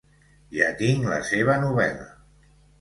Ja tinc la seva novel·la.